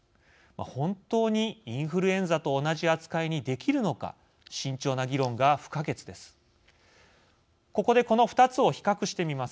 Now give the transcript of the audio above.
本当にインフルエンザと同じ扱いにできるのか慎重な議論が不可欠です。